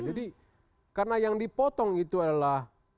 jadi karena yang dipotong itu adalah